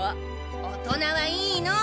大人はいいの！